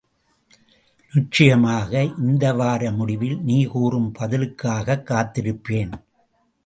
நிச்சயமாக இந்தவார முடிவில் நீ கூறும் பதிலுக்காகக் காத்திருப்பேன்.